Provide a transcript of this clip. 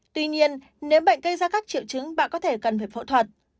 tuy nhiên nếu bệnh gây ra các triệu chứng bạn có thể cần phải phẫu thuật